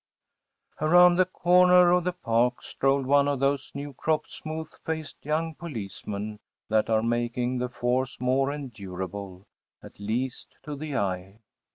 ‚ÄĚ Around the corner of the park strolled one of those new crop, smooth faced young policemen that are making the force more endurable‚ÄĒat least to the eye.